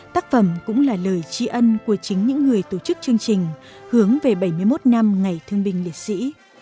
tác phẩm cũng là lời tri ân của chính những người tổ chức chương trình hướng về bảy mươi một năm ngày thương binh liệt sĩ